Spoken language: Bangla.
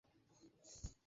অসাধারণ শট, দোস্ত!